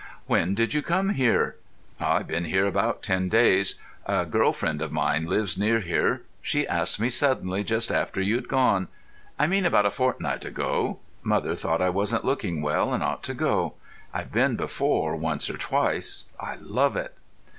"When did you come here?" "I've been here about ten days. A girl friend of mine lives near here. She asked me suddenly just after you'd gone—I mean about a fortnight ago. Mother thought I wasn't looking well and ought to go. I've been before once or twice. I love it."